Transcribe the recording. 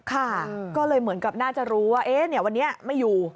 ค่ะก็เลยเหมือนกับน่าจะรู้ว่าวันนี้ไม่อยู่